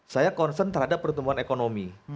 saya concern terhadap pertumbuhan ekonomi